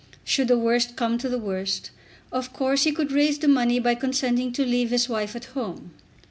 Should the worst come to the worst, of course he could raise the money by consenting to leave his wife at home.